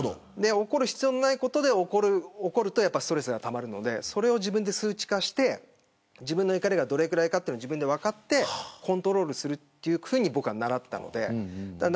怒る必要のないことで怒るとストレスがたまるのでそれを自分で数値化して自分の怒りがどれぐらいかを自分で分かってコントロールするというふうに僕は習ったので。